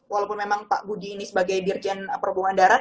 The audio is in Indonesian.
walaupun memang pak budi ini sebagai dirjen perhubungan darat